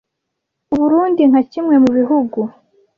U Burunndi nka kimwe mu bihugu